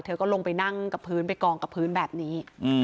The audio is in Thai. ก็ลงไปนั่งกับพื้นไปกองกับพื้นแบบนี้